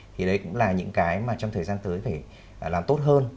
thì đấy cũng là những cái mà trong thời gian tới phải làm tốt hơn